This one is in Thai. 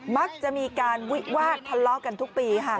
มักจะมีการวิวาดทะเลาะกันทุกปีค่ะ